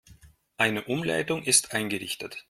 Eine Umleitung ist eingerichtet.